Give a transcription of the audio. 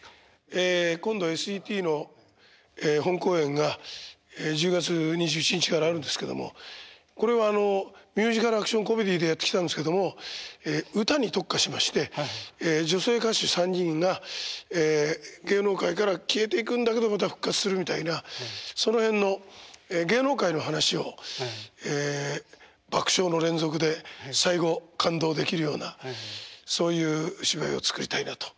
ええ今度ＳＥＴの本公演が１０月２１日からあるんですけどもこれはミュージカル・アクション・コメディーでやってきたんですけども歌に特化しまして女性歌手３人が芸能界から消えていくんだけどまた復活するみたいなその辺の芸能界の話を爆笑の連続で最後感動できるようなそういう芝居を作りたいなと思ってるんですけどね。